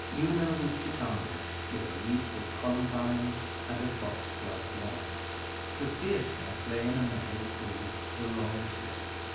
Una was Titania, with a wreath of columbines and a foxglove wand. The Theatre lay in a meadow called the Long Slip.